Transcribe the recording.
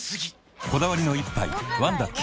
こだわりの一杯「ワンダ極」